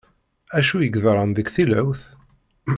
Acu yeḍran, deg tilawt?